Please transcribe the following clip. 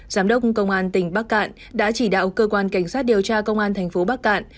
giám đốc công an tỉnh bắc cạn đã chỉ đạo cơ quan cảnh sát điều tra công an thành phố bắc cạn